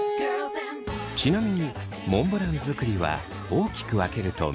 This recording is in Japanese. ちなみにモンブラン作りは大きく分けると３つ。